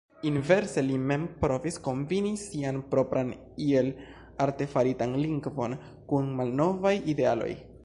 Inverse li mem provis kombini sian propran iel artefaritan lingvon kun malnovaj idealoj.